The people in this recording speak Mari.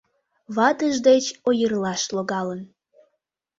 Ватыж деч ойырлаш логалын.